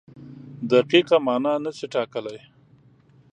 دقیقه مانا نشي ټاکلی.